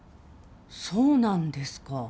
そうなんですか。